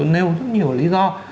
nêu rất nhiều lý do